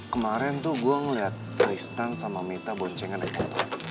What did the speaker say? kemaren tuh gue ngeliat tristan sama mita boncengan emang